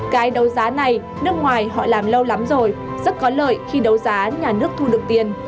cái đấu giá này nước ngoài họ làm lâu lắm rồi rất có lợi khi đấu giá nhà nước thu được tiền